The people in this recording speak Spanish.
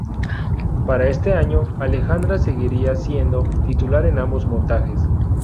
Para este año, Alejandra seguiría siendo titular en ambos montajes.